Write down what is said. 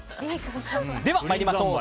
では、参りましょう。